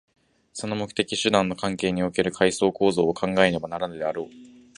その目的・手段の関係における階層構造を考えねばならぬであろう。